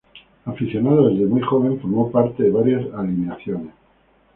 Aficionado desde muy joven, formó parte de varias alineaciones.